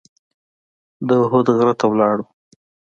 د احد غره ته لاړو.